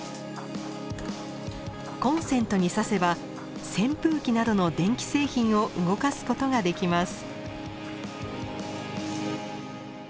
コンセントにさせば扇風機などの電気製品を動かすことができます。